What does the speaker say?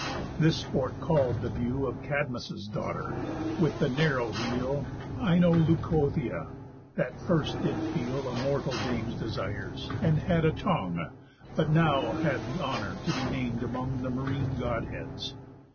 This sport call'd the view Of Cadmus' daughter, with the narrow heel, Ino Leucothea, that first did feel A mortal dame's desires, and had a tongue, But now had th' honour to be nam'd among The marine Godheads.